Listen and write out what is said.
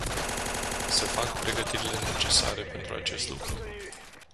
Se fac pregătirile necesare pentru acest lucru?